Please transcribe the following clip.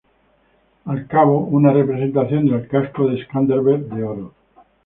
Al cabo, una representación del casco de Skanderbeg de oro.